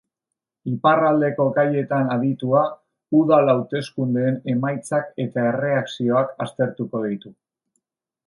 Iparraldeko gaietan aditua, udal hauteskundeen emaitzak eta erreakzioak aztertuko ditu.